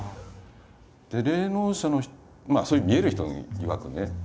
霊能者の人そういう見える人いわくね